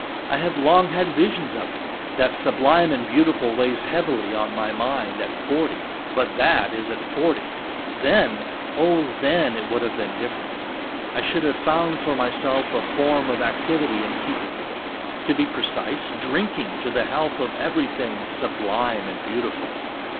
I have long had visions of it. That "sublime and beautiful" weighs heavily on my mind at forty But that is at forty; then—oh, then it would have been different! I should have found for myself a form of activity in keeping with it, to be precise, drinking to the health of everything "sublime and beautiful."